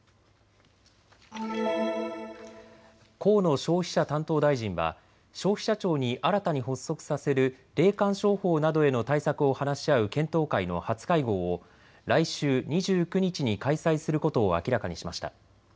河野消費者担当大臣は消費者庁に新たに発足させる霊感商法などへの対策を話し合う検討会の初会合を来週２９日に開催することを明らかにしました。